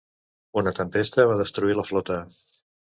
Una tempesta va destruir la flota.